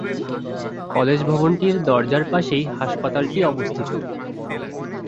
College ভবনটির দরজার পাশেই হাসপাতালটি অবস্থিত।